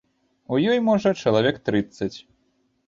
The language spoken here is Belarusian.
У ёй, можа, чалавек трыццаць.